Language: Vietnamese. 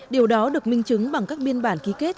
điều đó được minh chứng bằng các biên bản ký kết